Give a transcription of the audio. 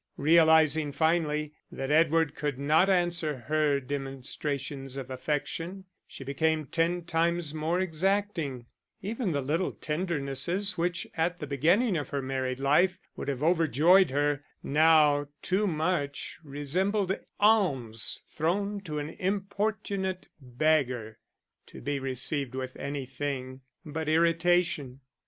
Realizing, finally, that Edward could not answer her demonstrations of affection, she became ten times more exacting; even the little tendernesses which at the beginning of her married life would have overjoyed her, now too much resembled alms thrown to an importunate beggar, to be received with anything but irritation.